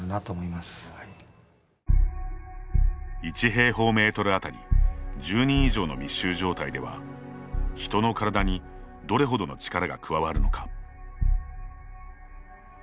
１平方メートルあたり１０人以上の密集状態では人の体にどれほどの力が加わるのか。